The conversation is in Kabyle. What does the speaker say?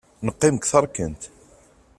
Teqqim deg terkent.